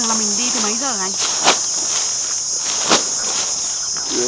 làm cói thì vất vả nhất mà